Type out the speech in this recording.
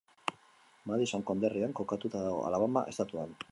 Madison konderrian kokatuta dago, Alabama estatuan.